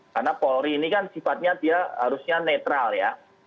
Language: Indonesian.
karena polri ini kan sifatnya dia harusnya netral ya